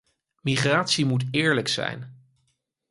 Migratie moet eerlijk zijn.